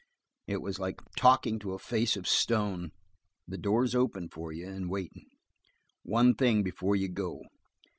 It was like talking to a face of stone. "The door's open for you, and waitin'. One thing before you go.